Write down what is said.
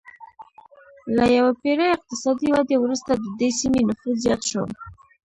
له یوې پېړۍ اقتصادي ودې وروسته د دې سیمې نفوس زیات شو